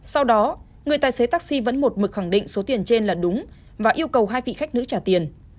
sau đó người tài xế taxi vẫn một mực khẳng định số tiền trên là đúng và yêu cầu hai vị khách nữ trả tiền